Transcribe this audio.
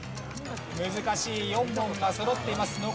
難しい４問がそろっています。